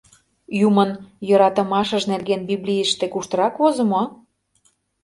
— Юмын йӧратымашыж нерген Библийыште куштырак возымо?